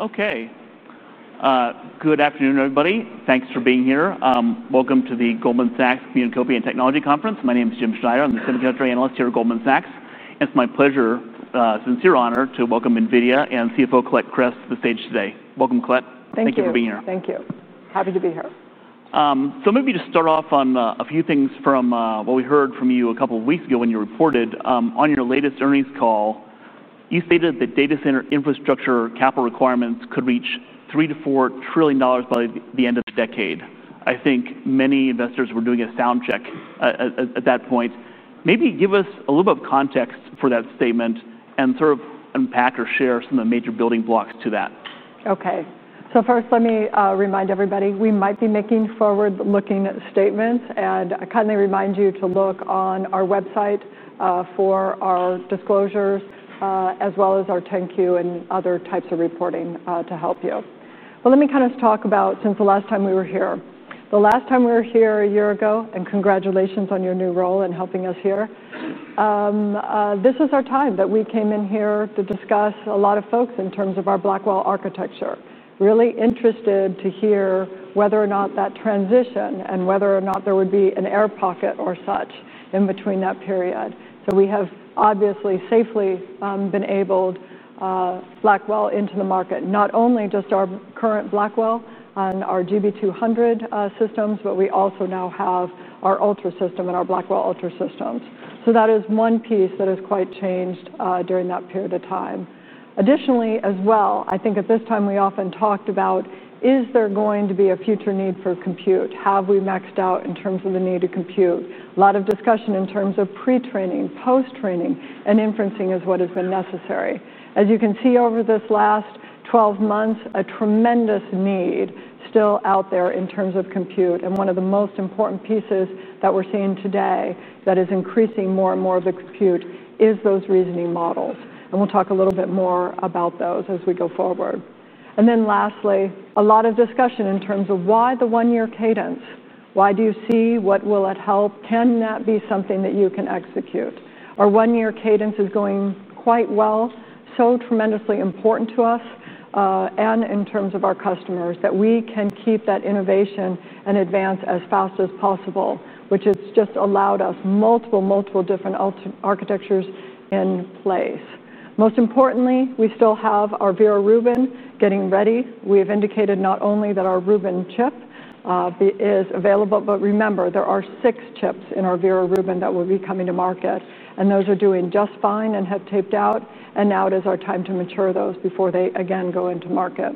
Okay. Good afternoon, everybody. Thanks for being here. Welcome to the Goldman Sachs BNP Paribas Pure Technology Conference. My name is Jim Schneider. I'm the Senior Country Analyst here at Goldman Sachs. It's my pleasure, sincere honor, to welcome NVIDIA and CFO Colette Kress to the stage today. Welcome, Colette. Thank you. Thank you for being here. Thank you. Happy to be here. Maybe to start off on a few things from what we heard from you a couple of weeks ago when you reported on your latest earnings call, you stated that data center infrastructure capital requirements could reach $3 trillion- $4 trillion by the end of the decade. I think many investors were doing a sound check at that point. Maybe give us a little bit of context for that statement and sort of unpack or share some of the major building blocks to that. Okay. First, let me remind everybody we might be making forward-looking statements, and I kindly remind you to look on our website for our disclosures, as well as our 10-Q and other types of reporting to help you. Let me talk about since the last time we were here. The last time we were here a year ago, and congratulations on your new role in helping us here, this was our time that we came in here to discuss a lot of folks in terms of our Blackwell architecture. Really interested to hear whether or not that transition and whether or not there would be an air pocket or such in between that period. We have obviously safely enabled Blackwell into the market, not only just our current Blackwell and our GB200 systems, but we also now have our Ultra system and our Blackwell Ultra systems. That is one piece that has quite changed during that period of time. Additionally, I think at this time we often talked about, is there going to be a future need for compute? Have we maxed out in terms of the need to compute? A lot of discussion in terms of pre-training, post-training, and inferencing is what has been necessary. As you can see over this last 12 months, a tremendous need still out there in terms of compute. One of the most important pieces that we're seeing today that is increasing more and more of the compute is those reasoning models. We'll talk a little bit more about those as we go forward. Lastly, a lot of discussion in terms of why the one-year cadence. Why do you see what will it help? Can that be something that you can execute? Our one-year cadence is going quite well, so tremendously important to us and in terms of our customers that we can keep that innovation and advance as fast as possible, which has just allowed us multiple, multiple different architectures in place. Most importantly, we still have our Vera Rubin getting ready. We have indicated not only that our Rubin chip is available, but remember, there are six chips in our Vera Rubin that will be coming to market. Those are doing just fine and have taped out. Now it is our time to mature those before they again go into market.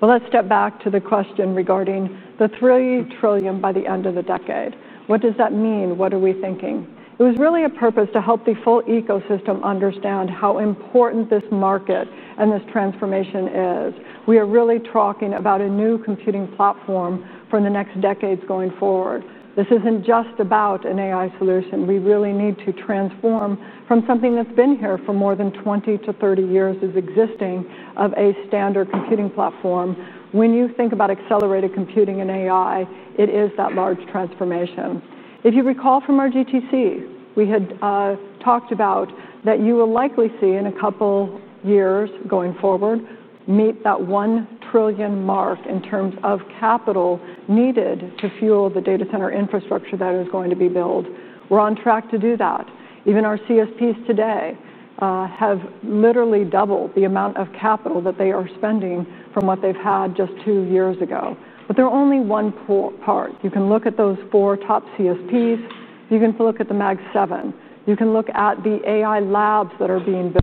Let's step back to the question regarding the $3 trillion by the end of the decade. What does that mean? What are we thinking? It was really a purpose to help the full ecosystem understand how important this market and this transformation is. We are really talking about a new computing platform for the next decades going forward. This isn't just about an AI solution. We really need to transform from something that's been here for more than 20 years- 30 years as existing of a standard computing platform. When you think about accelerated computing and AI, it is that large transformation. If you recall from our GTC, we had talked about that you will likely see in a couple of years going forward, meet that $1 trillion mark in terms of capital needed to fuel the data center infrastructure that is going to be built. We're on track to do that. Even our CSPs today have literally doubled the amount of capital that they are spending from what they've had just two years ago. There are only one part. You can look at those four top CSPs. You can look at the Mag7. You can look at the AI labs that are being built.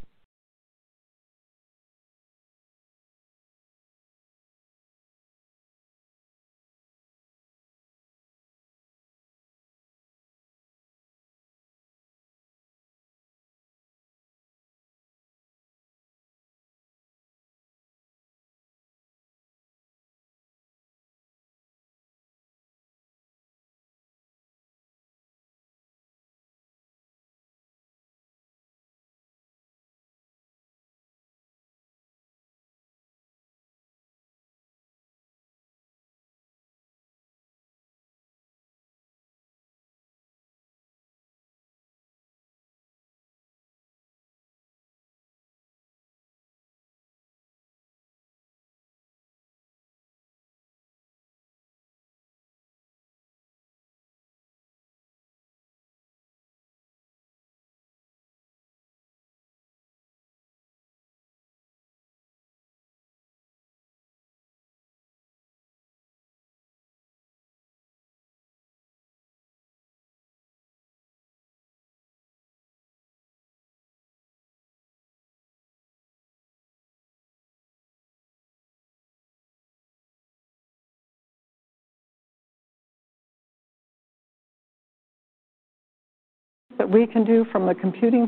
We can do from the computing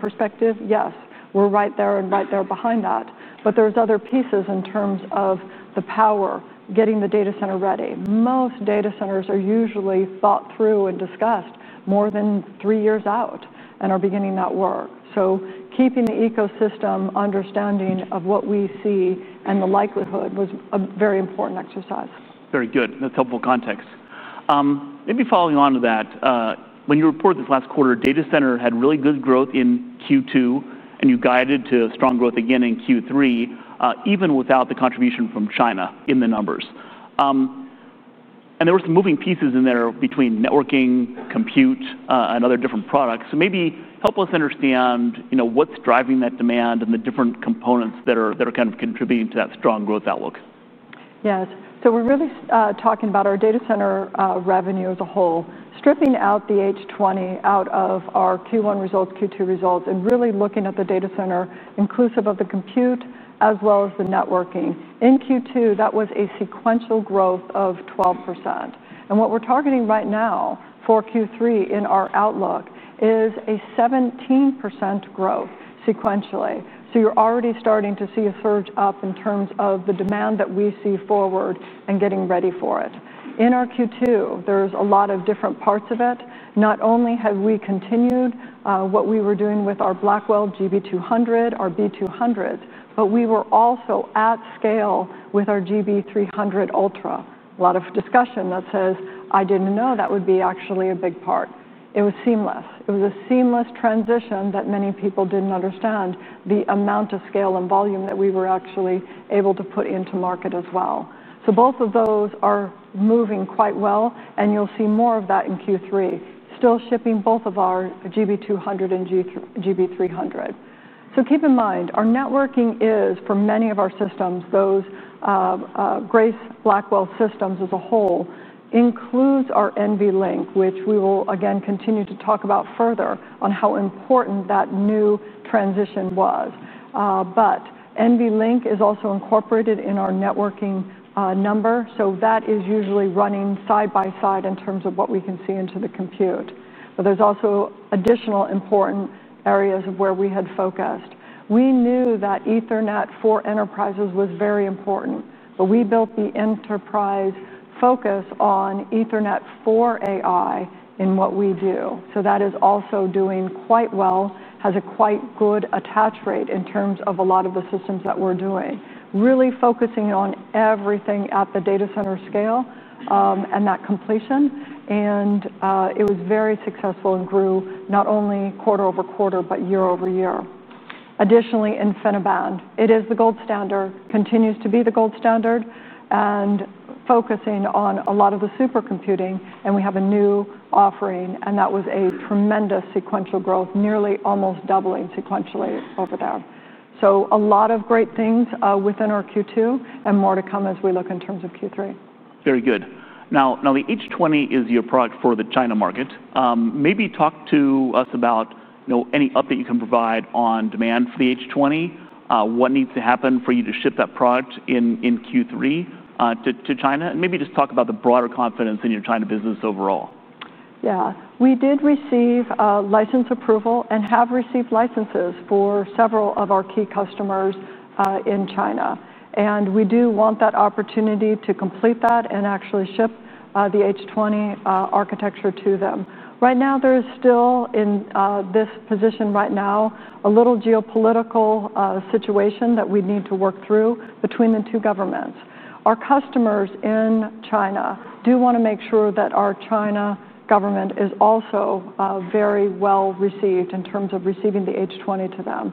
perspective, yes, we're right there and right there behind that. There are other pieces in terms of the power getting the data center ready. Most data centers are usually thought through and discussed more than three years out and are beginning that work. Keeping the ecosystem understanding of what we see and the likelihood was a very important exercise. Very good. That's helpful context. Maybe following on to that, when you report this last quarter, data center had really good growth in Q2, and you guided to strong growth again in Q3, even without the contribution from China in the numbers. There were some moving pieces in there between networking, compute, and other different products. Maybe help us understand what's driving that demand and the different components that are kind of contributing to that strong growth outlook. Yes. We're really talking about our data center revenue as a whole, stripping out the H20 out of our Q1 results, Q2 results, and really looking at the data center inclusive of the compute as well as the networking. In Q2, that was a sequential growth of 12%. What we're targeting right now for Q3 in our outlook is a 17% growth sequentially. You're already starting to see a surge up in terms of the demand that we see forward and getting ready for it. In our Q2, there's a lot of different parts of it. Not only have we continued what we were doing with our Blackwell GB200, our B200, but we were also at scale with our GB300 Ultra. A lot of discussion that says, I didn't know that would be actually a big part. It was seamless. It was a seamless transition that many people didn't understand the amount of scale and volume that we were actually able to put into market as well. Both of those are moving quite well, and you'll see more of that in Q3. Still shipping both of our GB200 and GB300. Keep in mind, our networking is for many of our systems, those Grace Blackwell systems as a whole, includes our NVLink, which we will again continue to talk about further on how important that new transition was. NVLink is also incorporated in our networking number. That is usually running side by side in terms of what we can see into the compute. There's also additional important areas of where we had focused. We knew that Ethernet for enterprises was very important, but we built the enterprise focus on Ethernet for AI in what we do. That is also doing quite well, has a quite good attach rate in terms of a lot of the systems that we're doing. Really focusing on everything at the data center scale and that completion. It was very successful and grew not only quarter over quarter, but year over year. Additionally, InfiniBand, it is the gold standard, continues to be the gold standard, and focusing on a lot of the supercomputing. We have a new offering, and that was a tremendous sequential growth, nearly almost doubling sequentially over there. A lot of great things within our Q2 and more to come as we look in terms of Q3. Very good. Now, the H20 is your product for the China market. Maybe talk to us about any update you can provide on demand for the H20, what needs to happen for you to ship that product in Q3 to China, and maybe just talk about the broader confidence in your China business overall. Yeah. We did receive license approval and have received licenses for several of our key customers in China. We do want that opportunity to complete that and actually ship the H20 architecture to them. Right now, there's still in this position a little geopolitical situation that we need to work through between the two governments. Our customers in China do want to make sure that our China government is also very well received in terms of receiving the H20 to them.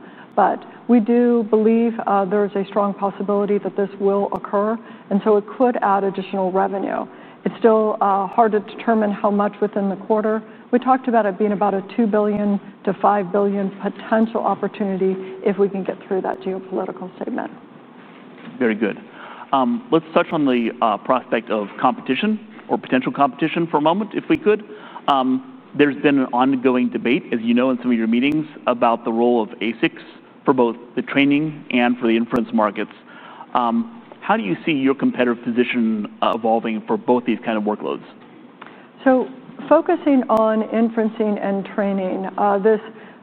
We do believe there is a strong possibility that this will occur, and it could add additional revenue. It's still hard to determine how much within the quarter. We talked about it being about a $2 billion- $5 billion potential opportunity if we can get through that geopolitical statement. Very good. Let's touch on the prospect of competition or potential competition for a moment, if we could. There's been an ongoing debate, as you know, in some of your meetings about the role of ASICs for both the training and for the inference markets. How do you see your competitive position evolving for both these kinds of workloads? Focusing on inferencing and training,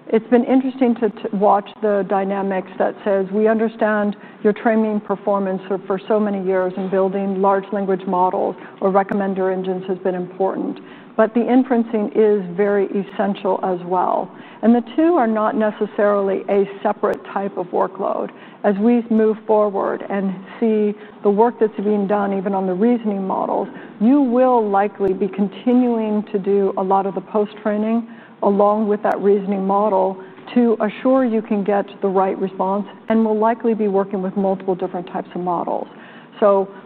it's been interesting to watch the dynamics that says we understand your training performance for so many years in building large language models or recommender engines has been important. The inferencing is very essential as well, and the two are not necessarily a separate type of workload. As we move forward and see the work that's being done even on the reasoning models, you will likely be continuing to do a lot of the post-training along with that reasoning model to assure you can get the right response and will likely be working with multiple different types of models.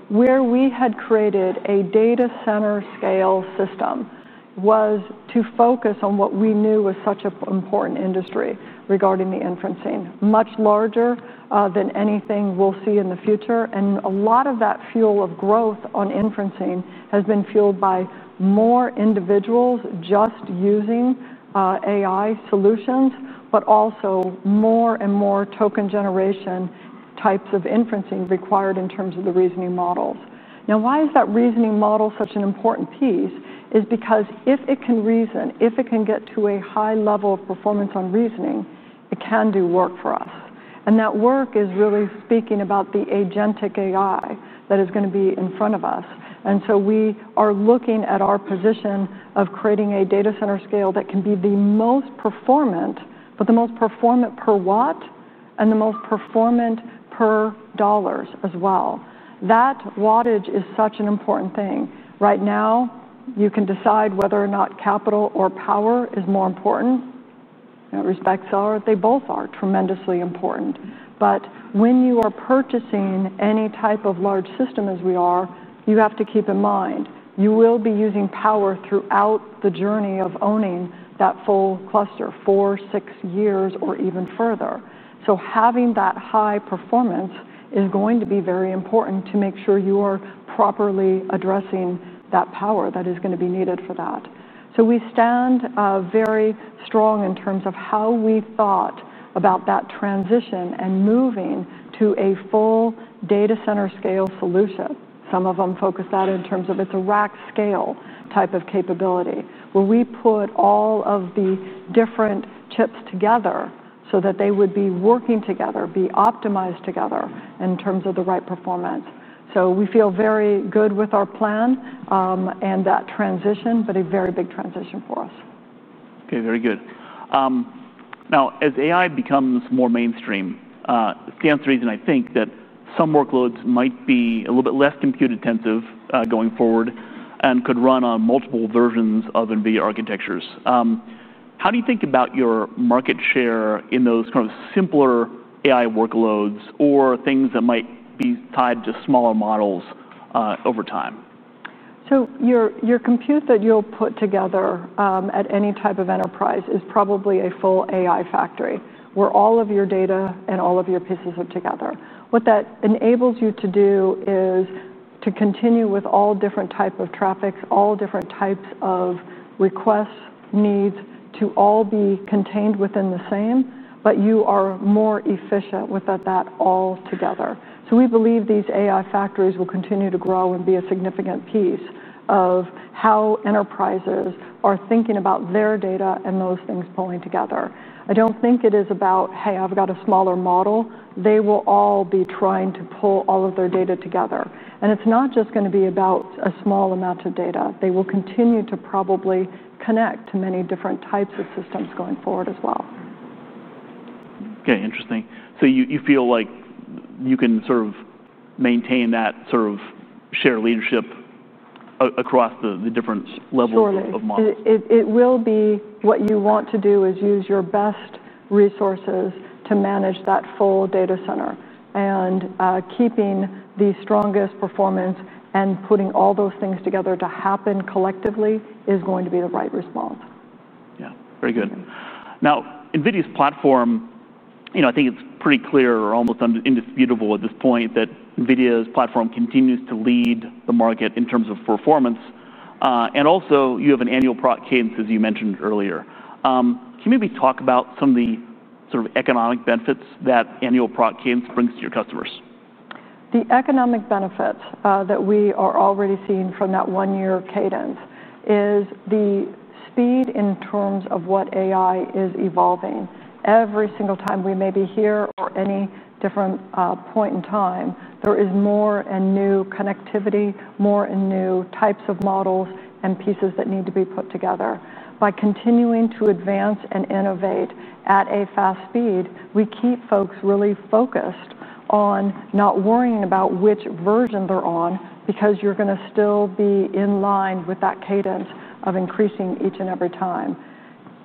Where we had created a data center scale system was to focus on what we knew was such an important industry regarding the inferencing, much larger than anything we'll see in the future. A lot of that fuel of growth on inferencing has been fueled by more individuals just using AI solutions, but also more and more token generation types of inferencing required in terms of the reasoning models. Now, why is that reasoning model such an important piece? It's because if it can reason, if it can get to a high level of performance on reasoning, it can do work for us. That work is really speaking about the agentic AI that is going to be in front of us. We are looking at our position of creating a data center scale that can be the most performant, but the most performant per watt and the most performant per dollars as well. That wattage is such an important thing. Right now, you can decide whether or not capital or power is more important. In that respect, they both are tremendously important. When you are purchasing any type of large system as we are, you have to keep in mind you will be using power throughout the journey of owning that full cluster for six years or even further. Having that high performance is going to be very important to make sure you are properly addressing that power that is going to be needed for that. We stand very strong in terms of how we thought about that transition and moving to a full data center scale solution. Some of them focus that in terms of it's a rack scale type of capability. We put all of the different chips together so that they would be working together, be optimized together in terms of the right performance. We feel very good with our plan and that transition, but a very big transition for us. Okay, very good. Now, as AI becomes more mainstream, it stands to reason I think that some workloads might be a little bit less compute intensive going forward and could run on multiple versions of NVIDIA architectures. How do you think about your market share in those kind of simpler AI workloads or things that might be tied to smaller models over time? Your compute that you'll put together at any type of enterprise is probably a full AI factory where all of your data and all of your pieces are together. What that enables you to do is to continue with all different types of traffics, all different types of requests, needs to all be contained within the same, but you are more efficient with that all together. We believe these AI factories will continue to grow and be a significant piece of how enterprises are thinking about their data and those things pulling together. I don't think it is about, hey, I've got a smaller model. They will all be trying to pull all of their data together. It's not just going to be about a small amount of data. They will continue to probably connect to many different types of systems going forward as well. Okay, interesting. You feel like you can sort of maintain that sort of shared leadership across the different levels of models. What you want to do is use your best resources to manage that full data center. Keeping the strongest performance and putting all those things together to happen collectively is going to be the right response. Yeah, very good. Now, NVIDIA's platform, you know, I think it's pretty clear or almost indisputable at this point that NVIDIA's platform continues to lead the market in terms of performance. You also have an annual product cadence, as you mentioned earlier. Can you maybe talk about some of the sort of economic benefits that annual product cadence brings to your customers? The economic benefit that we are already seeing from that one-year cadence is the speed in terms of what AI is evolving. Every single time we may be here or any different point in time, there is more and new connectivity, more and new types of models and pieces that need to be put together. By continuing to advance and innovate at a fast speed, we keep folks really focused on not worrying about which version they're on because you're going to still be in line with that cadence of increasing each and every time.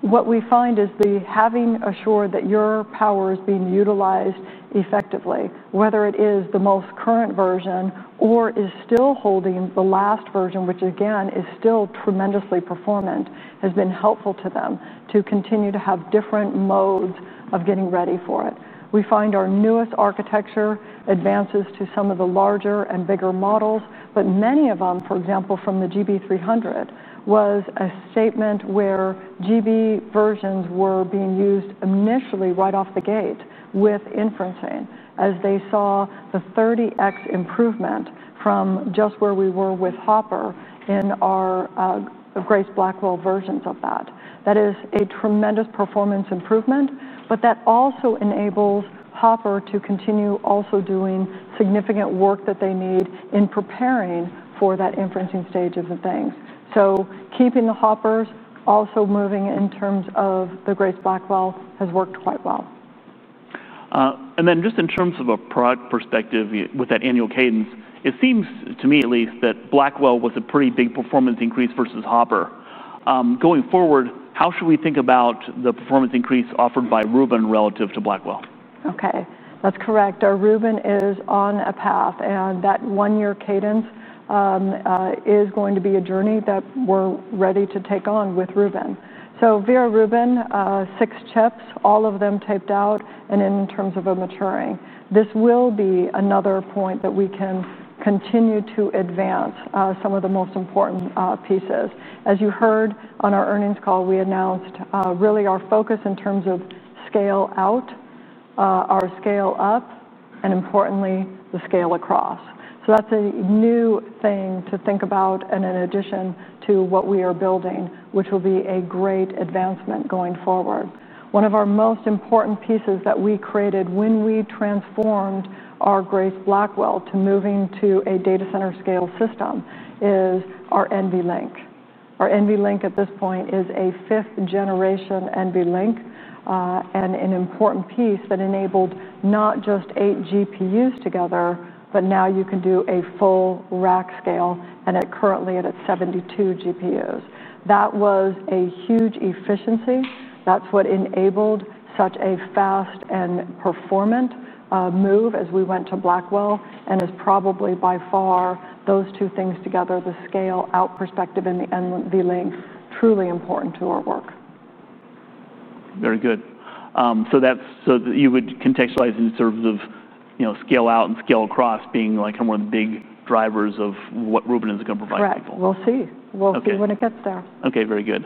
What we find is having assured that your power is being utilized effectively, whether it is the most current version or is still holding the last version, which again is still tremendously performant, has been helpful to them to continue to have different modes of getting ready for it. We find our newest architecture advances to some of the larger and bigger models, but many of them, for example, from the GB300, was a statement where GB versions were being used initially right off the gate with inferencing as they saw the 30x improvement from just where we were with Hopper in our Grace Blackwell versions of that. That is a tremendous performance improvement, but that also enabled Hopper to continue also doing significant work that they need in preparing for that inferencing stage of the things. Keeping the Hoppers also moving in terms of the Grace Blackwell has worked quite well. In terms of a product perspective with that annual cadence, it seems to me at least that Blackwell was a pretty big performance increase versus Hopper. Going forward, how should we think about the performance increase offered by Rubin relative to Blackwell? Okay, that's correct. Our Rubin is on a path and that one-year cadence is going to be a journey that we're ready to take on with Rubin. Vera Rubin, six chips, all of them taped out and in terms of a maturing. This will be another point that we can continue to advance some of the most important pieces. As you heard on our earnings call, we announced really our focus in terms of scale out, our scale up, and importantly, the scale across. That's a new thing to think about and in addition to what we are building, which will be a great advancement going forward. One of our most important pieces that we created when we transformed our Grace Blackwell to moving to a data center scale system is our NVLink. Our NVLink at this point is a fifth generation NVLink and an important piece that enabled not just eight GPUs together, but now you can do a full rack scale and it currently at its 72 GPUs. That was a huge efficiency. That's what enabled such a fast and performant move as we went to Blackwell and is probably by far those two things together, the scale out perspective and the NVLink, truly important to our work. Very good. That would contextualize in terms of scale out and scale across being kind of one of the big drivers of what Rubin is going to provide people. Right. We'll see when it gets there. Okay, very good.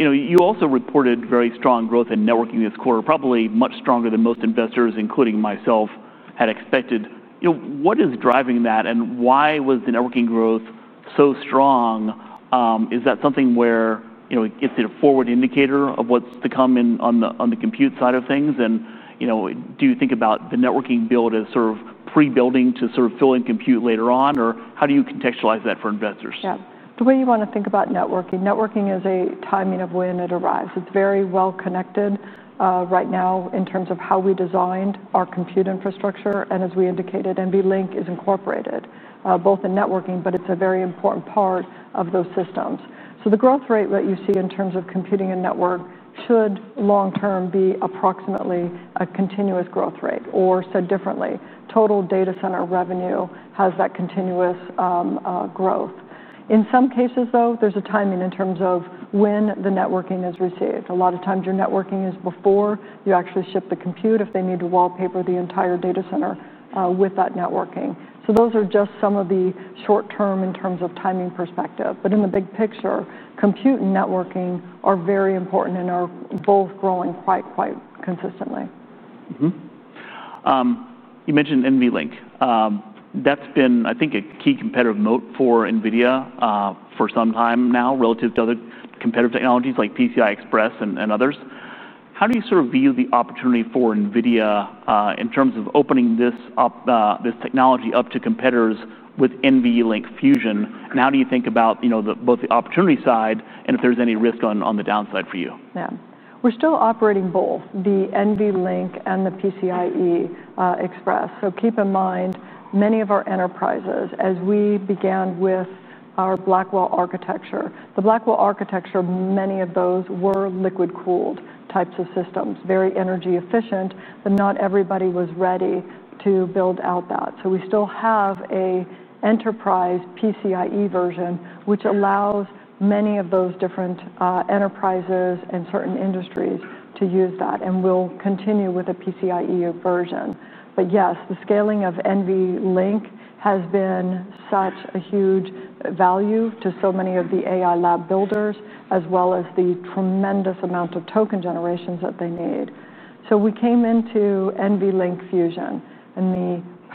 You also reported very strong growth in networking this quarter, probably much stronger than most investors, including myself, had expected. What is driving that, and why was the networking growth so strong? Is that something where it's a forward indicator of what's to come on the compute side of things? Do you think about the networking build as sort of pre-building to sort of fill in compute later on, or how do you contextualize that for investors? Yeah. The way you want to think about networking, networking is a timing of when it arrives. It's very well connected right now in terms of how we designed our compute infrastructure, and as we indicated, NVLink is incorporated both in networking, but it's a very important part of those systems. The growth rate that you see in terms of computing and network should long-term be approximately a continuous growth rate, or said differently, total data center revenue has that continuous growth. In some cases, though, there's a timing in terms of when the networking is received. A lot of times your networking is before you actually ship the compute if they need to wallpaper the entire data center with that networking. Those are just some of the short-term in terms of timing perspective. In the big picture, compute and networking are very important and are both growing quite, quite consistently. You mentioned NVLink. That's been, I think, a key competitive note for NVIDIA for some time now relative to other competitive technologies like PCIe Express and others. How do you sort of view the opportunity for NVIDIA in terms of opening this technology up to competitors with NVLink Fusion? How do you think about both the opportunity side and if there's any risk on the downside for you? Yeah. We're still operating both the NVLink and the PCIe Express. Keep in mind many of our enterprises, as we began with our Blackwell architecture, many of those were liquid-cooled types of systems, very energy efficient, but not everybody was ready to build out that. We still have an enterprise PCIe version, which allows many of those different enterprises and certain industries to use that and will continue with a PCIe version. Yes, the scaling of NVLink has been such a huge value to so many of the AI lab builders, as well as the tremendous amount of token generations that they need. We came into NVLink Fusion and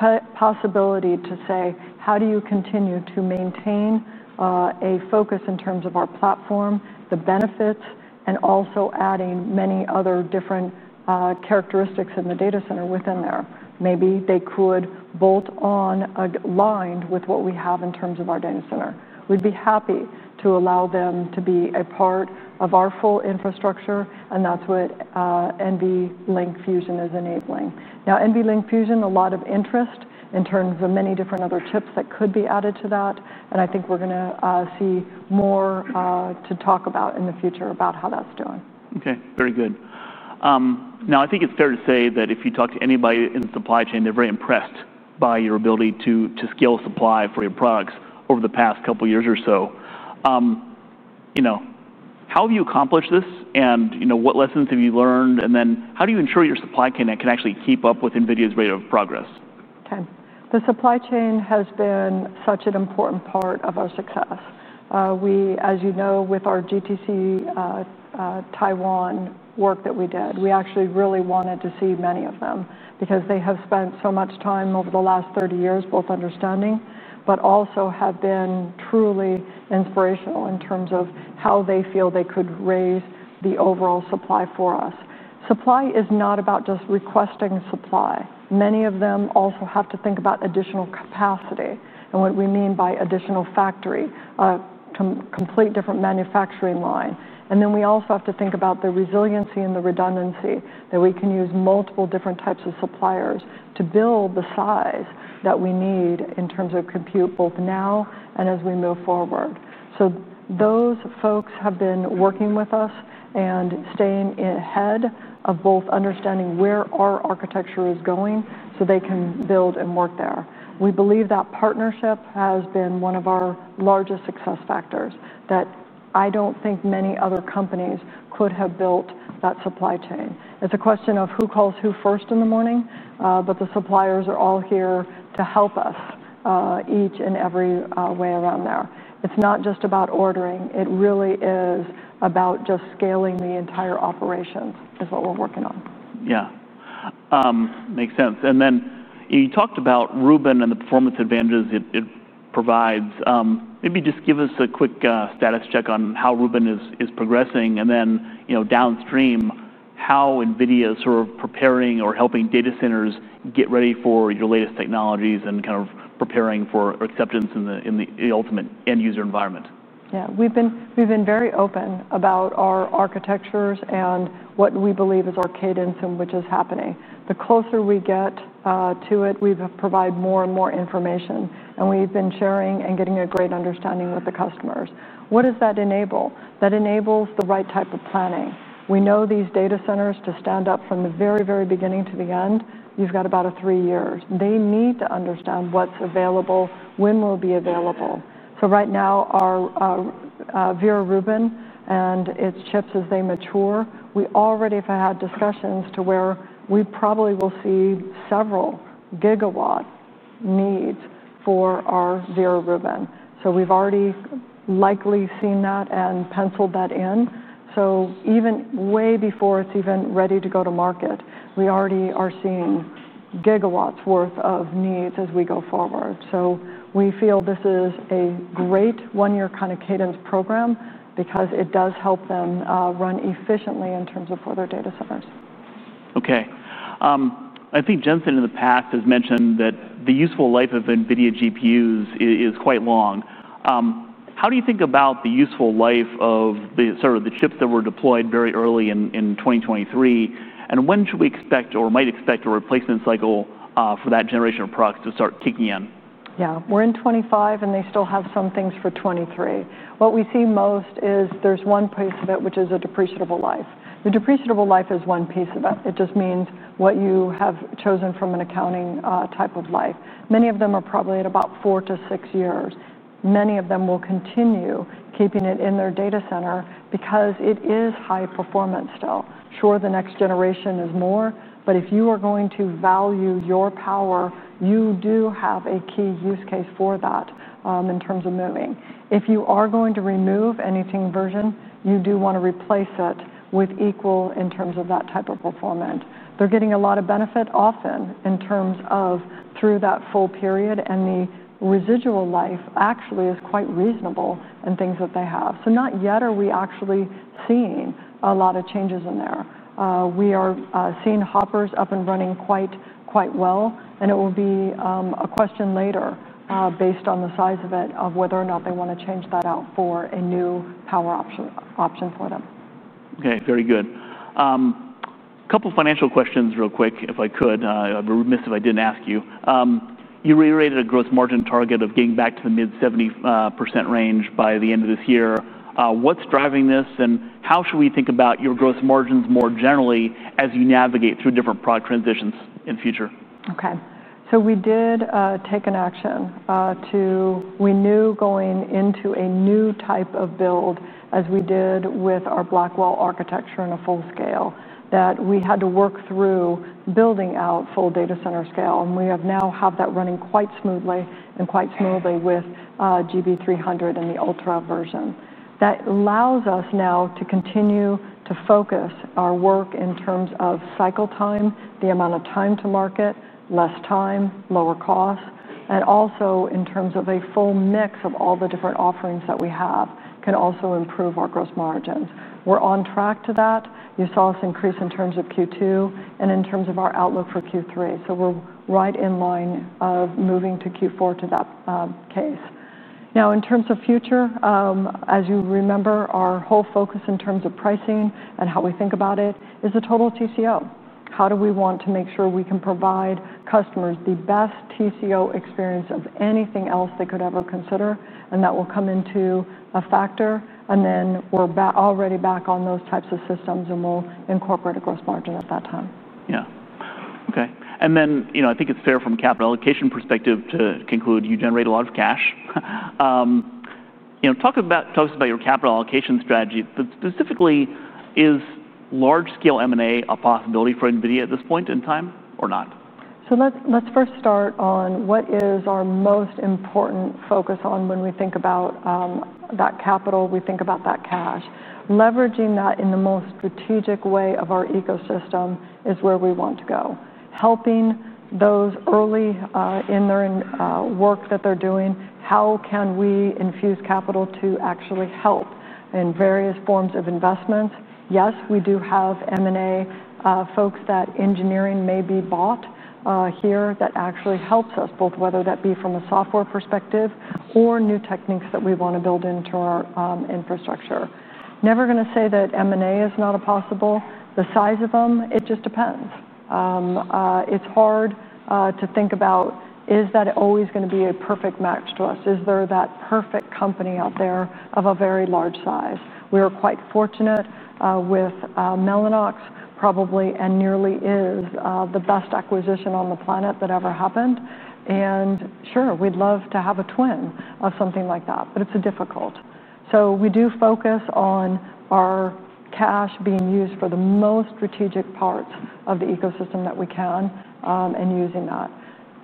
the possibility to say, how do you continue to maintain a focus in terms of our platform, the benefits, and also adding many other different characteristics in the data center within there? Maybe they could bolt on a line with what we have in terms of our data center. We'd be happy to allow them to be a part of our full infrastructure, and that's what NVLink Fusion is enabling. Now, NVLink Fusion, a lot of interest in terms of many different other chips that could be added to that, and I think we're going to see more to talk about in the future about how that's doing. Okay, very good. I think it's fair to say that if you talk to anybody in the supply chain, they're very impressed by your ability to scale supply for your products over the past couple of years or so. How have you accomplished this, what lessons have you learned, and how do you ensure your supply chain can actually keep up with NVIDIA's rate of progress? Okay. The supply chain has been such an important part of our success. We, as you know, with our GTC Taiwan work that we did, we actually really wanted to see many of them because they have spent so much time over the last 30 years, both understanding, but also have been truly inspirational in terms of how they feel they could raise the overall supply for us. Supply is not about just requesting supply. Many of them also have to think about additional capacity and what we mean by additional factory, a complete different manufacturing line. We also have to think about the resiliency and the redundancy that we can use multiple different types of suppliers to build the size that we need in terms of compute both now and as we move forward. Those folks have been working with us and staying ahead of both understanding where our architecture is going so they can build and work there. We believe that partnership has been one of our largest success factors that I don't think many other companies could have built that supply chain. It's a question of who calls who first in the morning, but the suppliers are all here to help us each and every way around there. It's not just about ordering. It really is about just scaling the entire operations is what we're working on. Makes sense. You talked about Rubin and the performance advantages it provides. Maybe just give us a quick status check on how Rubin is progressing, and downstream how NVIDIA is sort of preparing or helping data centers get ready for your latest technologies and preparing for acceptance in the ultimate end user environment. Yeah. We've been very open about our architectures and what we believe is our cadence in which is happening. The closer we get to it, we've provided more and more information, and we've been sharing and getting a great understanding with the customers. What does that enable? That enables the right type of planning. We know these data centers to stand up from the very, very beginning to the end, you've got about three years. They need to understand what's available, when will be available. Right now, our Vera Rubin and its chips as they mature, we already have had discussions to where we probably will see several gigawatt needs for our Vera Rubin. We've already likely seen that and penciled that in. Even way before it's even ready to go to market, we already are seeing gigawatts worth of needs as we go forward. We feel this is a great one-year kind of cadence program because it does help them run efficiently in terms of other data centers. Okay. I think Jensen in the past has mentioned that the useful life of NVIDIA GPUs is quite long. How do you think about the useful life of the sort of the chips that were deployed very early in 2023, and when should we expect or might expect a replacement cycle for that generation of products to start kicking in? Yeah. We're in 2025 and they still have some things for 2023. What we see most is there's one piece of it, which is a depreciable life. The depreciable life is one piece of it. It just means what you have chosen from an accounting type of life. Many of them are probably at about four to six years. Many of them will continue keeping it in their data center because it is high performance still. Sure, the next generation is more, but if you are going to value your power, you do have a key use case for that in terms of moving. If you are going to remove anything version, you do want to replace it with equal in terms of that type of performance. They're getting a lot of benefit often in terms of through that full period, and the residual life actually is quite reasonable in things that they have. Not yet are we actually seeing a lot of changes in there. We are seeing Hoppers up and running quite, quite well, and it will be a question later based on the size of it of whether or not they want to change that out for a new power option for them. Okay, very good. A couple of financial questions real quick, if I could. I'm remiss if I didn't ask you. You reiterated a gross margin target of getting back to the mid-70% range by the end of this year. What's driving this, and how should we think about your gross margins more generally as you navigate through different product transitions in the future? Okay. We did take an action to, we knew going into a new type of build as we did with our Blackwell architecture in a full scale that we had to work through building out full data center scale. We have now had that running quite smoothly and quite smoothly with GB300 and the Ultra version. That allows us now to continue to focus our work in terms of cycle time, the amount of time to market, less time, lower cost, and also in terms of a full mix of all the different offerings that we have can also improve our gross margins. We're on track to that. You saw us increase in terms of Q2 and in terms of our outlook for Q3. We're right in line of moving to Q4 to that case. In terms of future, as you remember, our whole focus in terms of pricing and how we think about it is a total TCO. How do we want to make sure we can provide customers the best TCO experience of anything else they could ever consider? That will come into a factor. We're already back on those types of systems and we'll incorporate a gross margin at that time. Okay. I think it's fair from a capital allocation perspective to conclude you generate a lot of cash. Talk to us about your capital allocation strategy. Specifically, is large scale M&A a possibility for NVIDIA at this point in time or not? Let's first start on what is our most important focus on when we think about that capital, we think about that cash. Leveraging that in the most strategic way of our ecosystem is where we want to go. Helping those early in their work that they're doing, how can we infuse capital to actually help in various forms of investments? Yes, we do have M&A folks that engineering may be bought here that actually helps us both, whether that be from a software perspective or new techniques that we want to build into our infrastructure. Never going to say that M&A is not possible. The size of them, it just depends. It's hard to think about, is that always going to be a perfect match to us? Is there that perfect company out there of a very large size? We are quite fortunate with Mellanox, probably and nearly is the best acquisition on the planet that ever happened. Sure, we'd love to have a twin of something like that, but it's difficult. We do focus on our cash being used for the most strategic parts of the ecosystem that we can and using that.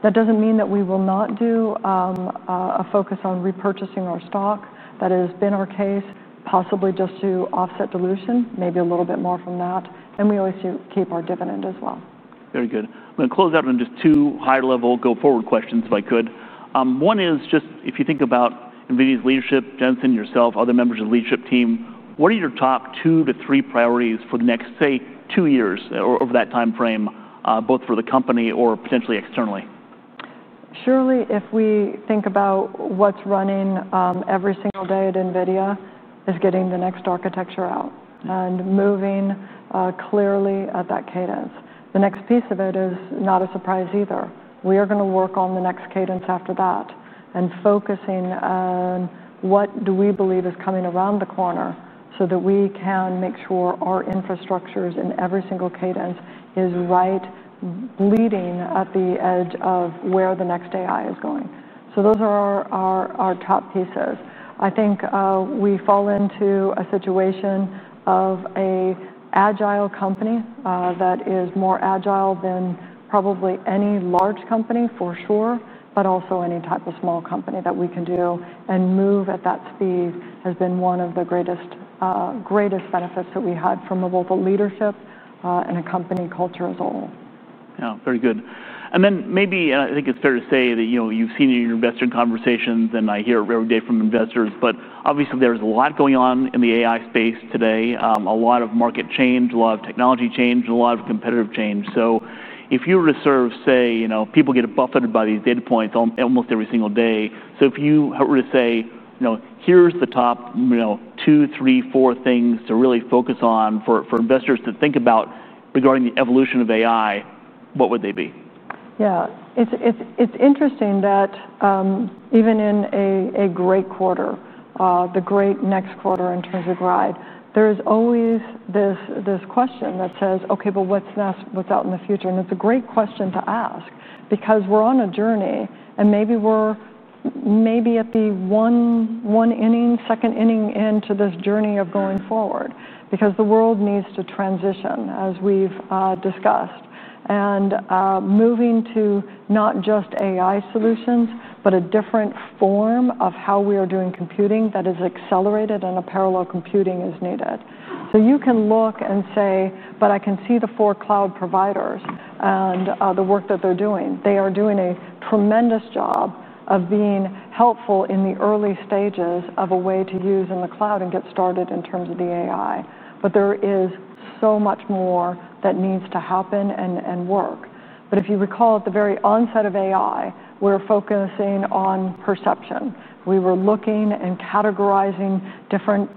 That doesn't mean that we will not do a focus on repurchasing our stock. That has been our case, possibly just to offset dilution, maybe a little bit more from that. We always keep our dividend as well. Very good. I'm going to close out on just two high-level go-forward questions if I could. One is just if you think about NVIDIA's leadership, Jensen, yourself, other members of the leadership team, what are your top two to three priorities for the next, say, two years or over that timeframe, both for the company or potentially externally? Surely if we think about what's running every single day at NVIDIA, it is getting the next architecture out and moving clearly at that cadence. The next piece of it is not a surprise either. We are going to work on the next cadence after that and focusing on what do we believe is coming around the corner, so that we can make sure our infrastructures in every single cadence is right, bleeding at the edge of where the next AI is going. Those are our top pieces. I think we fall into a situation of an agile company that is more agile than probably any large company for sure, but also any type of small company that we can do and move at that speed has been one of the greatest benefits that we had from a global leadership and a company culture as a whole. Very good. I think it's fair to say that you've seen your investor conversations and I hear it every day from investors. Obviously, there's a lot going on in the AI space today. A lot of market change, a lot of technology change, and a lot of competitive change. If you were to say, you know, people get buffeted by these data points almost every single day. If you were to say, you know, here's the top, you know, two, three, four things to really focus on for investors to think about regarding the evolution of AI, what would they be? Yeah. It's interesting that even in a great quarter, the great next quarter in terms of ride, there is always this question that says, okay, but what's next, what's out in the future? It's a great question to ask because we're on a journey and maybe we're maybe at the one inning, second inning into this journey of going forward because the world needs to transition as we've discussed. Moving to not just AI solutions, but a different form of how we are doing computing that is accelerated and a parallel computing is needed. You can look and say, but I can see the four cloud providers and the work that they're doing. They are doing a tremendous job of being helpful in the early stages of a way to use in the cloud and get started in terms of the AI. There is so much more that needs to happen and work. If you recall at the very onset of AI, we're focusing on perception. We were looking and categorizing different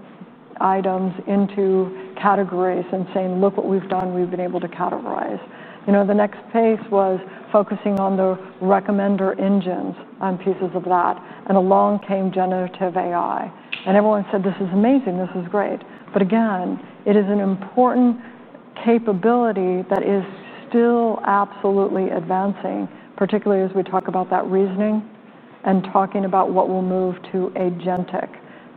items into categories and saying, look what we've done, we've been able to categorize. The next pace was focusing on the recommender engines and pieces of that. Along came generative AI. Everyone said, this is amazing, this is great. It is an important capability that is still absolutely advancing, particularly as we talk about that reasoning and talking about what will move to agentic.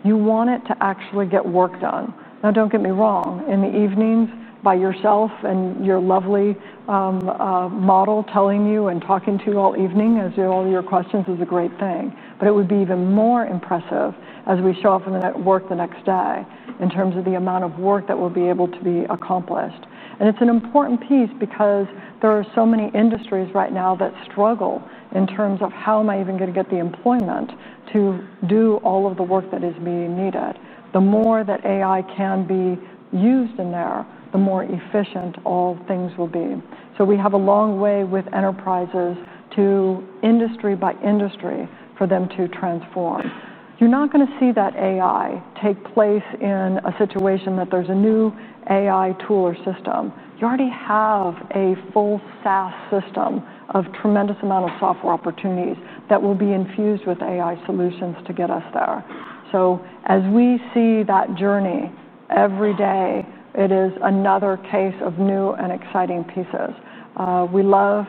You want it to actually get work done. Now, don't get me wrong, in the evenings by yourself and your lovely model telling you and talking to you all evening as you do all your questions is a great thing. It would be even more impressive as we show up in the network the next day in terms of the amount of work that will be able to be accomplished. It's an important piece because there are so many industries right now that struggle in terms of how am I even going to get the employment to do all of the work that is being needed. The more that AI can be used in there, the more efficient all things will be. We have a long way with enterprises to industry by industry for them to transform. You're not going to see that AI take place in a situation that there's a new AI tool or system. You already have a full SaaS system of tremendous amount of software opportunities that will be infused with AI solutions to get us there. As we see that journey every day, it is another case of new and exciting pieces. We love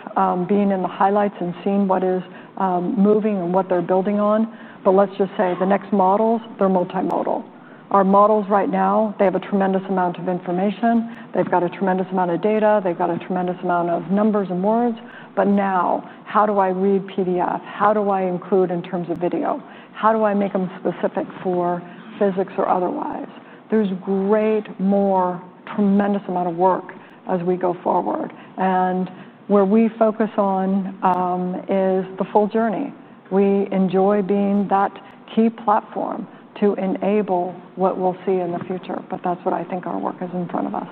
being in the highlights and seeing what is moving and what they're building on. Let's just say the next models, they're multimodal. Our models right now, they have a tremendous amount of information. They've got a tremendous amount of data. They've got a tremendous amount of numbers and words. Now, how do I read PDF? How do I include in terms of video? How do I make them specific for physics or otherwise? There's great more, tremendous amount of work as we go forward. Where we focus on is the full journey. We enjoy being that key platform to enable what we'll see in the future. That's what I think our work is in front of us.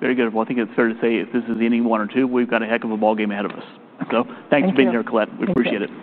Very good. I think it's fair to say if this is the ending one or two, we've got a heck of a ballgame ahead of us. Thanks for being here, Colette. We appreciate it.